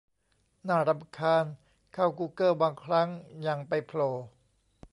น่ารำคาญ เข้ากูเกิ้ลบางครั้งยังไปโผล่